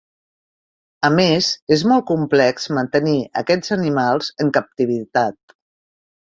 A més, és molt complex mantenir aquests animals en captivitat.